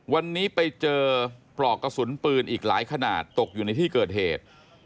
วันนี้ไปเจอปลอกกระสุนปืนอีกหลายขนาดตกอยู่ในที่เกิดเหตุ